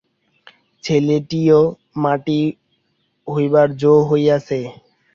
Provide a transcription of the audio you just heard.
ছেলেটিও মাটি হইবার জো হইয়াছে।